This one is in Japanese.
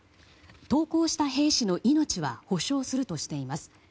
投降した兵士の命は保証するとしています。